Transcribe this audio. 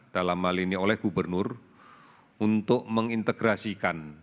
dalam hal ini oleh gubernur untuk mengintegrasikan